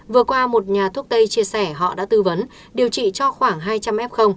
vừa qua một nhà thuốc tây chia sẻ họ đã tư vấn điều trị cho khoảng hai trăm linh f